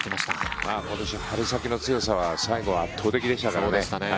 今年春先の強さは西郷は圧倒的でしたからね。